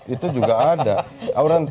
itu juga ada